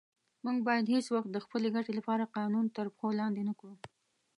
موږ باید هیڅ وخت د خپلې ګټې لپاره قانون تر پښو لاندې نه کړو.